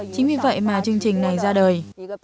chính vì vậy mà chương trình này ra đời